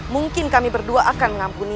mungkin kami berdua akan mengampuni